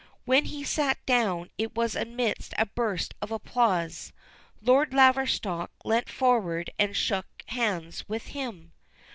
When he sat down it was amidst a burst of applause. Lord Laverstock leant forward and shook hands with him.